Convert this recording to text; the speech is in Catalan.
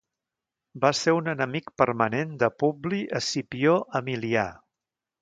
Va ser un enemic permanent de Publi Escipió Emilià.